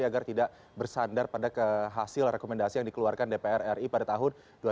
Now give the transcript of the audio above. agar tidak bersandar pada hasil rekomendasi yang dikeluarkan dpr ri pada tahun dua ribu dua puluh